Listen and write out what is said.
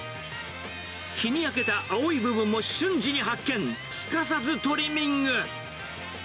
日に焼けた青い部分も瞬時に発見、すかさずトリミング。